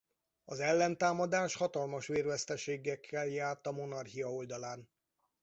Az ellentámadás hatalmas vérveszteségekkel járt a Monarchia oldalán.